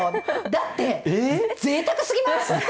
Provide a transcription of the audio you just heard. だって、ぜいたくすぎます。